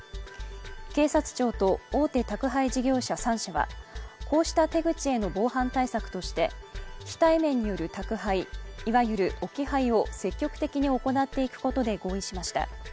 警察庁と大手宅配事業者３社はこうした手口への防犯対策として非対面による宅配いわゆる置き配を積極的に行っていくことで合意しました。